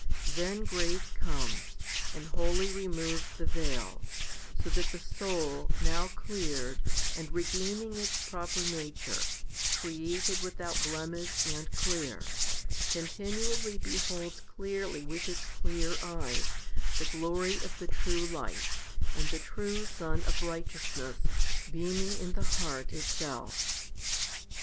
Then grace comes, and wholly removes the veil, so that the soul, now cleared, and regaining its proper nature, created without blemish and clear, continually beholds clearly with its clear eyes the glory of the true light and the true sun of righteousness l beaming in the heart itself.